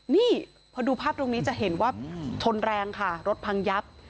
นี่พอดูภาพตรงนี้จะเห็นว่าชนแรงค่ะรถพังยับ